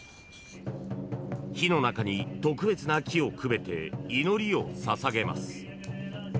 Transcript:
［火の中に特別な木をくべて祈りを捧げます］